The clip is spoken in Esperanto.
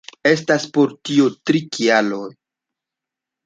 Estas por tio tri kialoj.